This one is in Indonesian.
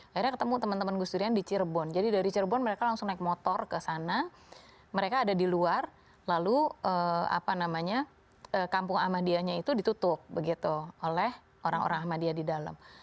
akhirnya ketemu teman teman gus durian di cirebon jadi dari cirebon mereka langsung naik motor ke sana mereka ada di luar lalu kampung ahmadiyahnya itu ditutup begitu oleh orang orang ahmadiyah di dalam